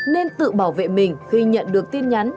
nên tự bảo vệ mình khi nhận được tin nhắn